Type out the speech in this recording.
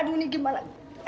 aduh ini gimana